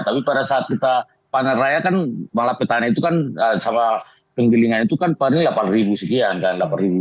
tapi pada saat kita panen raya kan malah petani itu kan sama penggilingan itu kan pannya delapan ribu sekian kan